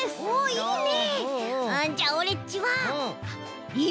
いいね。